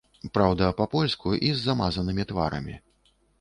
Праўда, па-польску і з замазанымі тварамі.